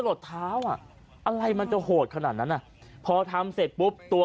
หดเท้าอ่ะอะไรมันจะโหดขนาดนั้นอ่ะพอทำเสร็จปุ๊บตัว